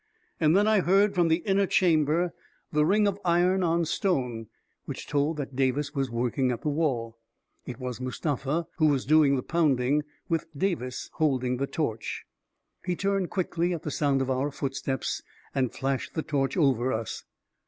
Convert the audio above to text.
And then I heard, from the inner chamber, the ring A KING IN BABYLON 343 of iron on stone which told that Davis was working at the wall. It was Mustafa who was doing the pounding, with Davis holding the torch. He turned quickly at the sound of our footsteps and flashed the torch over us.